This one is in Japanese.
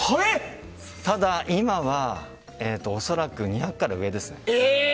ただ今は恐らく２００から上です。